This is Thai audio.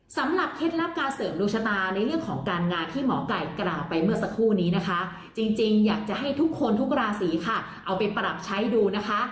เคล็ดลับการเสริมดวงชะตาในเรื่องของการงานที่หมอไก่กล่าวไปเมื่อสักครู่นี้นะคะจริงอยากจะให้ทุกคนทุกราศีค่ะเอาไปปรับใช้ดูนะคะ